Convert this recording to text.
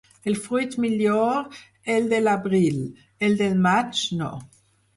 El fruit millor el de l'abril; el del maig, no.